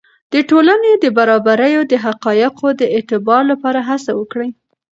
د ټولنې د برابریو د حقایقو د اعتبار لپاره هڅه وکړئ.